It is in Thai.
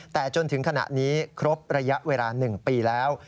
แต่จนถึงขณะนี้ครบระยะเวลา๑ปีแล้ว